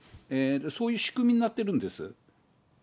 そういう仕組みになっているんです。